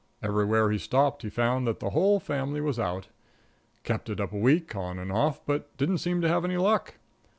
Everywhere he stopped he found that the whole family was out. Kept it up a week, on and off, but didn't seem to have any luck.